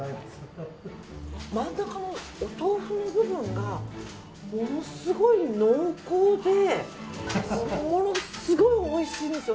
真ん中のお豆腐の部分がものすごい濃厚でものすごいおいしいです。